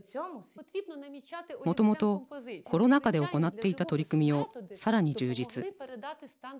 もともとコロナ禍で行っていた取り組みをさらに充実。